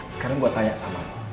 sekarang gua tanya sama kamu